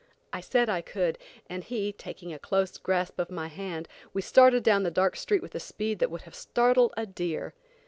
I said I could, and he taking a close grasp of my hand, we started down the dark street with a speed that would have startled a deer.